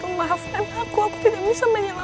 guru maafkan aku aku tidak bisa menyelamatkanmu guru